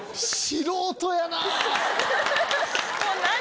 素人やなぁ！